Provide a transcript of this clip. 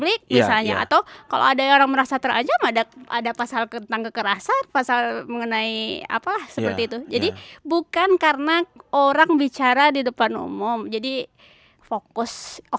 fasilitas publik misalnya atau kalau ada yang merasa terancam ada pasal tentang kekerasan pasal mengenai apalah seperti itu jadi bukan karena orang bicara di depan umum jadi fokus of interestnya itu loh